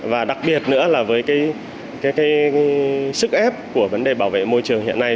và đặc biệt nữa là với sức ép của vấn đề bảo vệ môi trường hiện nay